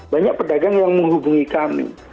banyak pedagang yang menghubungi kami